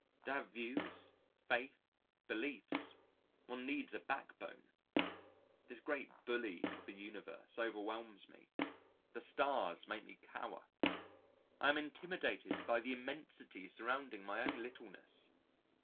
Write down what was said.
To have views, faith, beliefs, one needs a backbone. This great bully of a universe overwhelms me. The stars make me cower. I am intimidated by the immensity surrounding my own littleness.